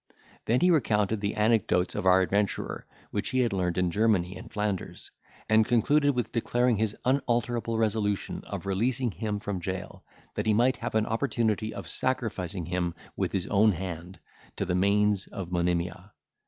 Then he recounted the anecdotes of our adventurer which he had learned in Germany and Flanders, and concluded with declaring his unalterable resolution of releasing him from jail, that he might have an opportunity of sacrificing him, with his own hand, to the manes of Monimia.